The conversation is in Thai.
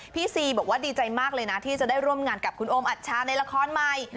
ซีบอกว่าดีใจมากเลยนะที่จะได้ร่วมงานกับคุณโอมอัชชาในละครใหม่